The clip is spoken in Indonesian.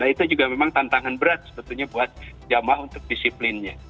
nah itu juga memang tantangan berat sebetulnya buat jamaah untuk disiplinnya